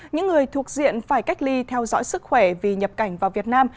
những người thuộc diện phải cách ly theo dõi sức khỏe vì nhập cảnh vào việt nam